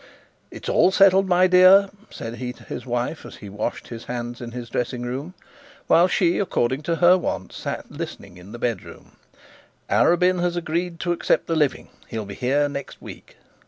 'It's all settled, my dear,' said he to his wife as he washed his hands in his dressing room, while she, according to her wont, sat listening in the bedroom; 'Arabin has agreed to accept the living. He'll be here next week.'